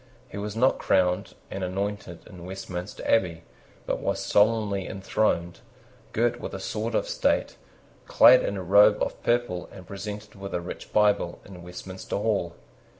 He was not crowned and anointed in Westminster Abbey, but was solemnly enthroned, girt with a sword of state, clad in a robe of purple, and presented with a rich Bible, in Westminster Hall.